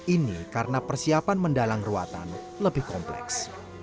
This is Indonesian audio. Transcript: ini karena persiapan mendalang ruatan lebih kompleks